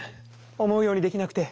思うようにできなくて。